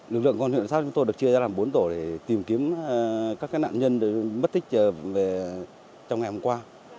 lực lượng công an huyện sát chúng tôi được chia ra làm bốn tổ để tìm kiếm các nạn nhân mất tích trong ngày hôm qua